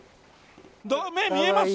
目見えます？